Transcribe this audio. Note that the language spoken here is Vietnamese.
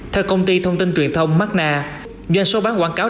theo công ty thông tin truyền thông markna doanh số bán quảng cáo